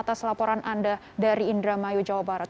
atas laporan anda dari indra mayu jawa barat